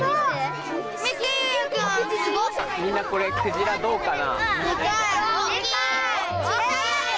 みんなこれ鯨どうかな。